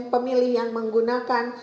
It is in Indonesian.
pemilih yang menggunakan